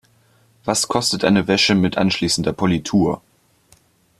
Was kostet eine Wäsche mit anschließender Politur?